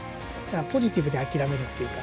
ポジティブに諦めるっていうか。